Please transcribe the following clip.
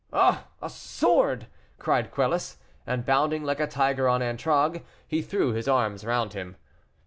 "Oh, a sword!" cried Quelus; and, bounding like a tiger on Antragues, he threw his arms round him.